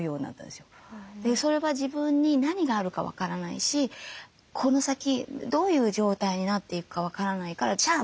それは自分に何があるか分からないしこの先どういう状態になっていくか分からないからじゃあ